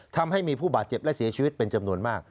ทำให้มีผู้บาดเจ็บและเสียชีวิตเป็นจำนวนมาก